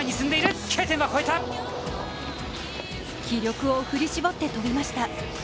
気力を振り絞って飛びました。